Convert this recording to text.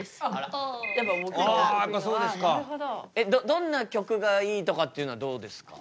どんな曲がいいとかっていうのはどうですか？